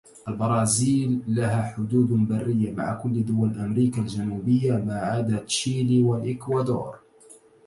البرازيل لها حدود برية مع كل دول أمريكا الجنوبية ماعدا تشيلي والإكوادور.